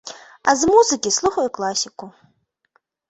А з музыкі слухаю класіку.